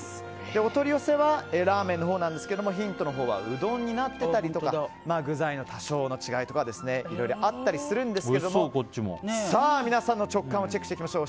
お取り寄せはラーメンですがヒントのほうはうどんになってたりとか具材の多少の違いとかいろいろあったりしますが皆さんの直感をチェックしましょう。